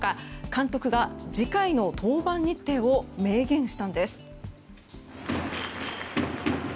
監督が次回の登板日程を明言したんです。